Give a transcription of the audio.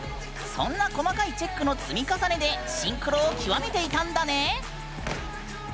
そんな細かいチェックの積み重ねでシンクロを極めていたんだね！